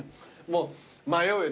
もう。